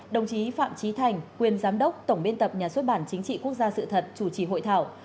đồng chí phạm trí thành quyền giám đốc tổng biên tập nhà xuất bản chính trị quốc gia sự thật chủ trì hội thảo